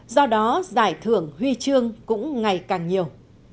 do đó giải thưởng huy chương cũng ngày càng nhiều